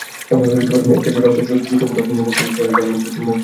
একটা ছোটমতো গর্তে রিকশাটা ঝাঁকুনি খেলে তুমি নাহয় পড়ে যাওয়ার ভান কোরো।